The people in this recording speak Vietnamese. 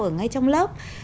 ở ngay trong lớp